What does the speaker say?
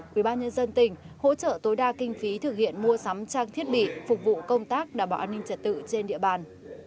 quỹ ban nhân dân tỉnh hỗ trợ tối đa kinh phí thực hiện mua sắm trang thiết bị phục vụ công tác đảm bảo an ninh trật tự trên địa bàn